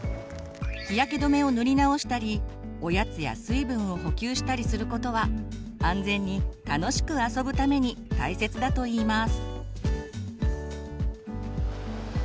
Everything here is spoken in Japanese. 日焼け止めを塗り直したりおやつや水分を補給したりすることは安全に楽しく遊ぶために大切だといいます。